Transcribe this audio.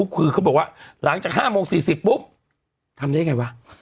คือเขาบอกว่าหลังจาก๕โมง๔๐ปุ๊บทำได้ยังไงวะ